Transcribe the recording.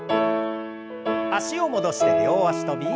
脚を戻して両脚跳び。